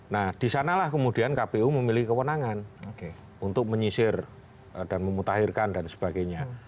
nah di sanalah kemudian kpu memilih kewenangan untuk menyisir dan memutahirkan dan sebagainya